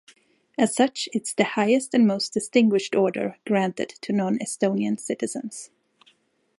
As such it is the highest and most distinguished order granted to non-Estonian citizens.